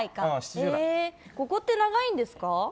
ここって長いんですか？